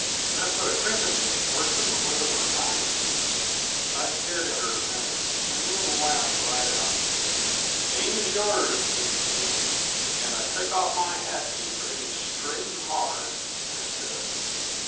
That put a crimp in me worse than the look of her eyes, even. I stared at her a minute, and then laughed right out. "The game's yours, Miss King, and I take off my hat to you for hitting straight and hard," I said.